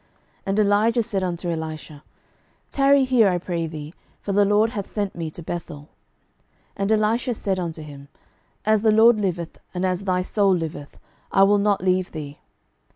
12:002:002 And Elijah said unto Elisha, Tarry here, I pray thee; for the LORD hath sent me to Bethel. And Elisha said unto him, As the LORD liveth, and as thy soul liveth, I will not leave thee.